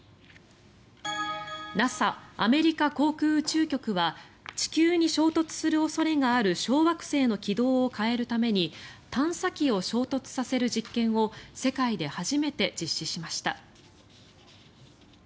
ＮＡＳＡ・アメリカ航空宇宙局は地球に衝突する恐れのある小惑星の軌道を変えるために探査機を衝突させる実験を世界で初めて実施しました。